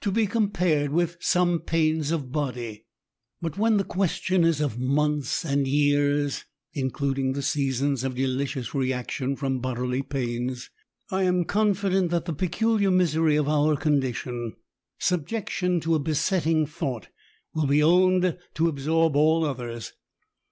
167 be compared with some pains of body ; but when the question is of months and years (including the seasons of delicious reaction from bodily pains), I am confident that the peculiar misery of our condition — subjection to a besetting thought — will be owned to absorb all others.